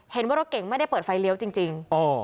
เห็นว่ารถเก่งไม่ได้เปิดไฟเลี้ยวจริง